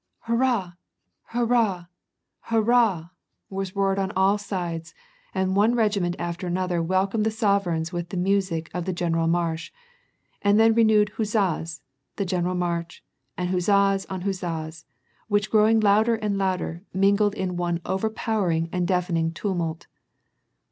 " Hurrah ! Hurrah ! Hurrah !" was roared on all sides, and one regiment after another welcomed the sovereigns with the music of the generaUmarsck, then renewed huzzas, the gejieralr marsch and huzzas on huzzas, which growing louder and louder, mingled in one overpowering deafening tumult.